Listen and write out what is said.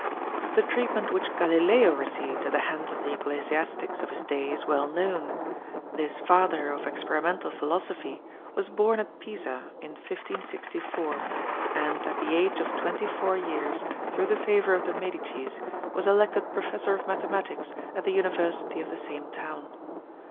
The treatment which Galileo received at the hands of the ecclesiastics of his day is well known. This father of experimental philosophy was born at Pisa in 1564, and at the age of twenty four years, through the favour of the Medicis, was elected Professor of Mathematics at the University of the same town.